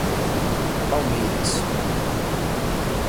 Palmeiras